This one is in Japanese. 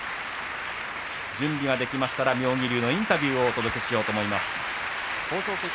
準備ができましたら妙義龍のインタビューをお届けしようと思います。